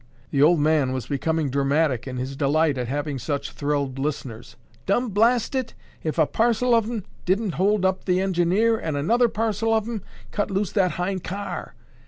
The old man was becoming dramatic in his delight at having such thrilled listeners. "Dum blast it, if a parcel of 'em didn't hold up the engineer and another parcel of 'em cut loose that hind car.